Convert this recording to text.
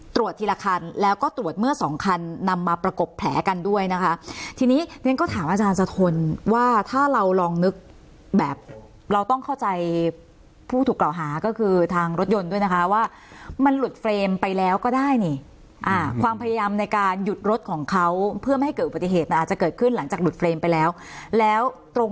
ตรวจทีละคันแล้วก็ตรวจเมื่อสองคันนำมาประกบแผลกันด้วยนะคะทีนี้เรียนก็ถามอาจารย์สะทนว่าถ้าเราลองนึกแบบเราต้องเข้าใจผู้ถูกกล่าวหาก็คือทางรถยนต์ด้วยนะคะว่ามันหลุดเฟรมไปแล้วก็ได้นี่ความพยายามในการหยุดรถของเขาเพื่อไม่ให้เกิดอุบัติเหตุมันอาจจะเกิดขึ้นหลังจากหลุดเฟรมไปแล้วแล้วตรง